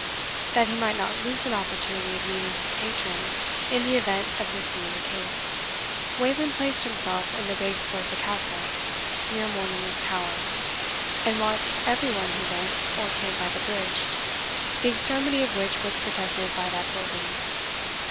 That he might not lose an opportunity of meeting his patron in the event of this being the case, Wayland placed himself in the base court of the Castle, near Mortimer's Tower, and watched every one who went or came by the bridge, the extremity of which was protected by that building.